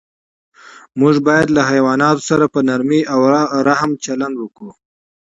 موږ باید له حیواناتو سره په نرمۍ او رحم چلند وکړو.